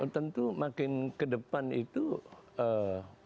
tentu makin kedepan itu eee